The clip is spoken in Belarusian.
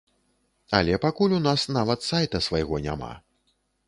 Але пакуль у нас нават сайта свайго няма.